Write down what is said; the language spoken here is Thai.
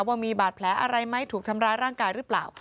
ว่ามีบาดแผลอะไรไหมถูกทำร้ายร่างกายหรือเปล่า